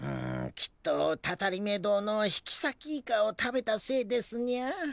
きっとたたりめ堂の引きさきイカを食べたせいですニャ。